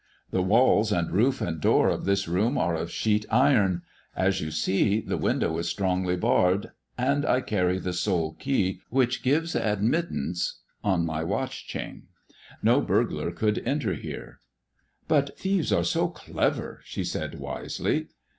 The walls and roof and door of this room are of sheet iron. As you see, the window is strongly barred ; and I carry the sole key which gives admittance on my watch chain. No biu glar could enter here." " But thieves are so clever," she said wisely.